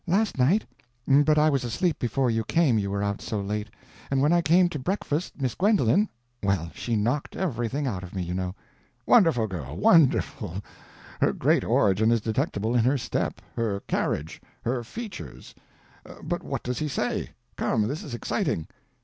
"Last night; but I was asleep before you came, you were out so late; and when I came to breakfast Miss Gwendolen—well, she knocked everything out of me, you know—" "Wonderful girl, wonderful; her great origin is detectable in her step, her carriage, her features—but what does he say? Come, this is exciting."